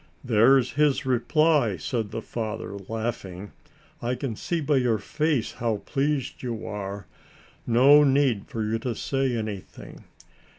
"There's his reply," said the father, laughing. "I can see by your face how pleased you are; no need for you to say anything.